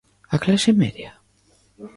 ¿A clase media?